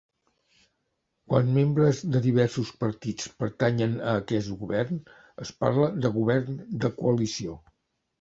Quan membres de diversos partits pertanyen a aquest govern, es parla de govern de coalició.